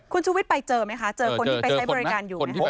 คุณชูวิทย์ไปเจอไหมคะเจอคนที่ไปใช้บริการอยู่ไหมคะ